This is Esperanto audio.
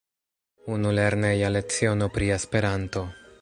Unu lerneja leciono pri Esperanto!